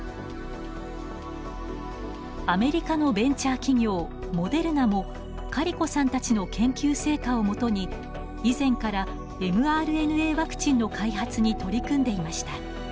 アメリカのベンチャー企業モデルナもカリコさんたちの研究成果をもとに以前からｍＲＮＡワクチンの開発に取り組んでいました。